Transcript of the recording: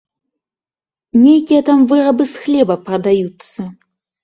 Нейкія там вырабы з хлеба прадаюцца.